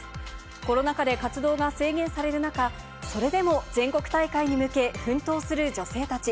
コロナ禍で活動が制限される中、それでも全国大会に向け、奮闘する女性たち。